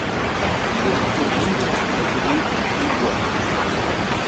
Les habitants d'Ouges sont appelés Ougeois.